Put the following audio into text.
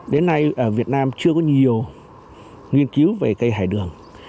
đến nay ở việt nam chưa có nhiều nghiên cứu về cây hải đường